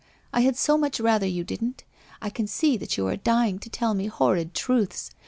I had so much rather you didn't. I can see that you are dying to tell me horrid truths.